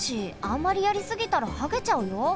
あんまりやりすぎたらはげちゃうよ。